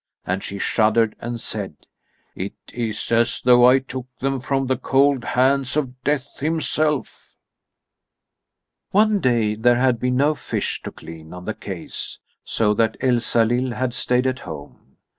And she shuddered and said: "It is as though I took them from the cold hands of Death himself." II One day there had been no fish to clean on the quays, so that Elsalill had stayed at home.